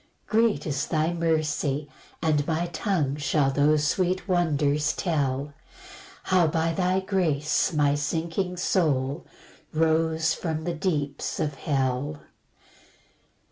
4 Great is thy mercy, and my tongue Shall those sweet wonders tell, How by thy grace my sinking soul Rose from the deeps of hell.